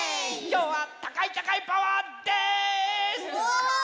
きょうはたかいたかいパワーです！